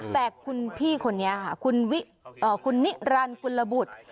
แต่คุณพี่คนนี้ค่ะคุณนิรรณคุณระบุช